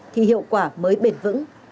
thì hiệu quả mới bền vững